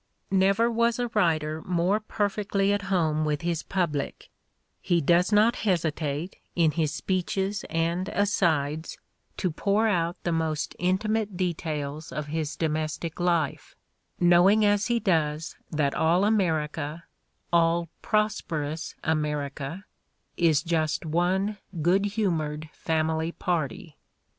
Never was a writer more perfectly at home with his public — he does not hesitate, in his speeches and asides, to pour out Everybody's Neighbor 143 the most intimate details of his domestic life, knowing as he does that all America, all prosperous America, is just one good humored family party.